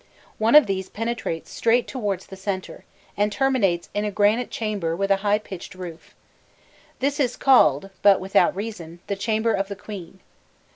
One of these penetrates straight towards the centre, and terminates in a granite chamber with a high pitched roof. This is called, but without reason, the "Chamber of the Queen."